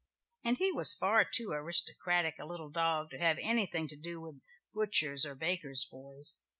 And he was far too aristocratic a little dog to have anything to do with butchers' or bakers' boys.